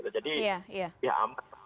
jadi ya amat